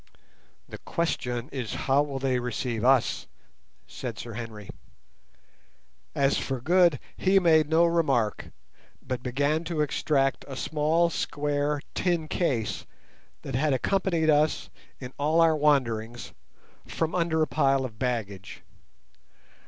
"The question is how will they receive us?" said Sir Henry. As for Good he made no remark, but began to extract a small square tin case that had accompanied us in all our wanderings from under a pile of baggage.